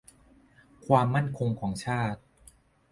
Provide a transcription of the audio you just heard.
ความมั่นคงของชาติ